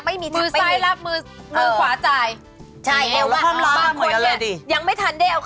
ไม่มีทางไปไม่มี